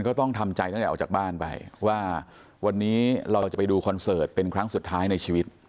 ก็ต้องทำใจตั้งแต่ออกจากบ้านไปว่าวันนี้เราจะไปดูคอนเสิร์ตเป็นครั้งสุดท้ายในชีวิต